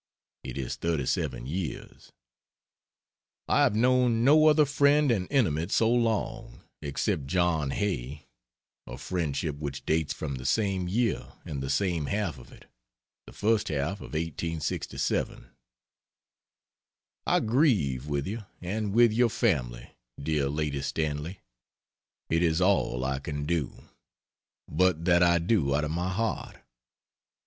It is 37 years. I have known no other friend and intimate so long, except John Hay a friendship which dates from the same year and the same half of it, the first half of 1867. I grieve with you and with your family, dear Lady Stanley, it is all I can do; but that I do out of my heart.